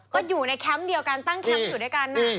ก็อยู่ในแคมป์เดียวกันตั้งแคมป์อยู่ด้วยกัน